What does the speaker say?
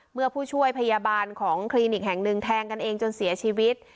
เมื่อผู้ช่วยพยาบาลของคลินิกแห่งหนึ่งแทงกันเองจนเสียชีวิต